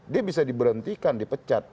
dia bisa diberhentikan dipecat